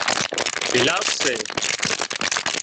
گلاسي سي